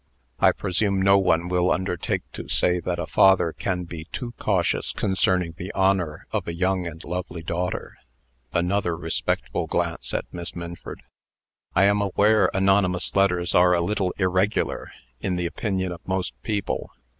I presume no one will undertake to say that a father can be too cautious concerning the honor of a young and lovely daughter." (Another respectful glance at Miss Minford.) "I am aware anonymous letters are a little irregular, in the opinions of most people.